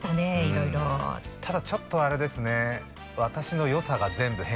色々ただちょっとあれですね